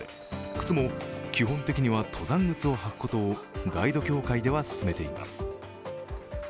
靴も基本的には登山靴を履くことをガイド協会では勧めています。